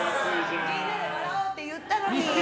みんなで笑おうって言ったのに！